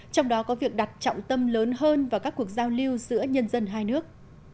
trong đó có việc đặt trọng tâm lớn hơn vào các cuộc giao lưu giữa nhân dân hai nước